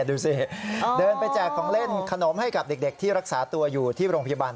ดูสิเดินไปแจกของเล่นขนมให้กับเด็กที่รักษาตัวอยู่ที่โรงพยาบาล